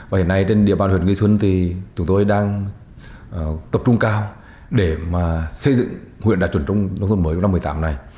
và hiện nay trên địa bàn huyện nguyễn xuân thì chúng tôi đang tập trung cao để xây dựng huyện đạt chuẩn nông thôn mới năm hai nghìn một mươi tám này